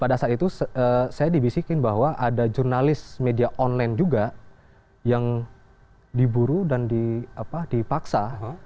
pada saat itu saya dibisikin bahwa ada jurnalis media online juga yang diburu dan dipaksa